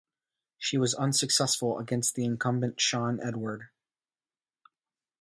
She was unsuccessful against the incumbent Shawn Edward.